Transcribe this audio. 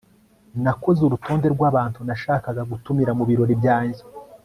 Nakoze urutonde rwabantu nashakaga gutumira mubirori byanjye